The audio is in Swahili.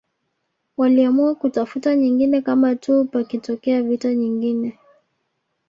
Waliamua kutafuta nyingine kama tuu pakitokea vita nyingine